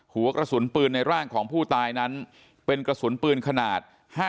หัวกระสุนปืนในร่างของผู้ตายนั้นเป็นกระสุนปืนขนาด